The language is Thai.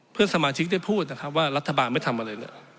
เพื่อนสมาชิกได้พูดนะครับว่ารัฐบาลไม่ทำอะไรเนี่ย